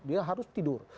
dia harus tidur